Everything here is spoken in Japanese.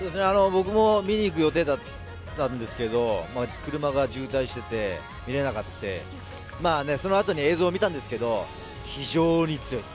僕も見に行く予定だったんですけど車が渋滞してて見れなくてその後に映像を見たんですけど非常に強い。